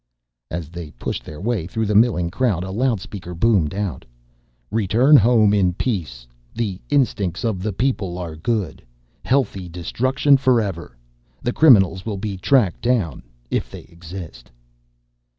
As they pushed their way through the milling crowd, a loudspeaker boomed out: "Return home in peace. The instincts of the people are good. Healthy destruction forever! The criminals will be tracked down ... if they exist."